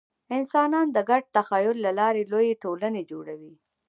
انسانان د ګډ تخیل له لارې لویې ټولنې جوړوي.